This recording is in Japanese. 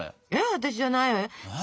私じゃないわよ。